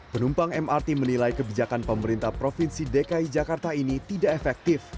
penumpang mrt menilai kebijakan pemerintah provinsi dki jakarta ini tidak efektif